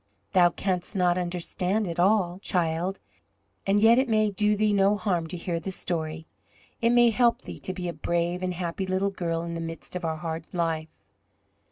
Thou canst not understand it all, child, and yet it may do thee no harm to hear the story. It may help thee to be a brave and happy little girl in the midst of our hard life."